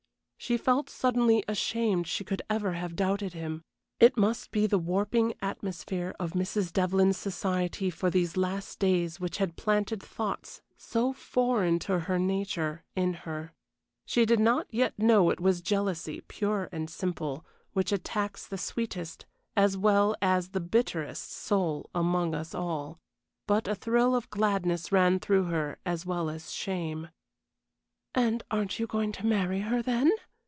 She felt suddenly ashamed she could ever have doubted him; it must be the warping atmosphere of Mrs. Devlyn's society for these last days which had planted thoughts, so foreign to her nature, in her. She did not yet know it was jealousy pure and simple, which attacks the sweetest, as well, as the bitterest, soul among us all. But a thrill of gladness ran through her as well as shame. "And aren't you going to marry her, then?"